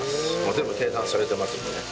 全部計算されてますんでね。